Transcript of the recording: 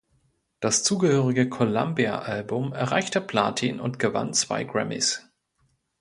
Das zugehörige Columbia-Album erreichte Platin und gewann zwei Grammys.